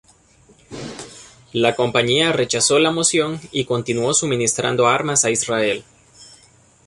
La compañía rechazó la moción y continuó suministrando armas a Israel.